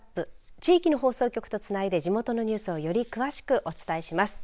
地域の放送局とつないで地元のニュースをより詳しくお伝えします。